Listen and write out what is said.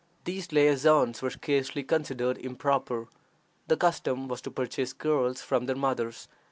These liaisons were scarcely considered improper. The custom was to purchase girls from their mothers.